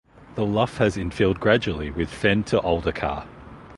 The lough has infilled gradually with fen to alder carr.